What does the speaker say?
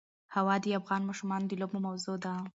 هوا د افغان ماشومانو د لوبو موضوع ده.